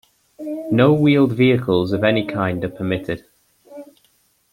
No wheeled vehicles of any kind are permitted.